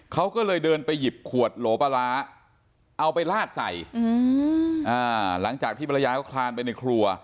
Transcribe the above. เขาก็เลยเดินไปหยิบขวดโหลปลาร้าเอาไปลาดใส่หลังจากที่ภรรยาเขาคลานไปในครัว